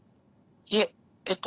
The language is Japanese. いええっと